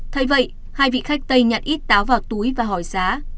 thay vậy hai vị khách tây nhặt ít táo vào túi và hỏi giá